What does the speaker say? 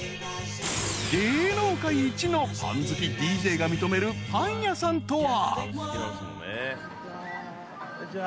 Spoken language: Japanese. ［芸能界一のパン好きＤＪが認めるパン屋さんとは］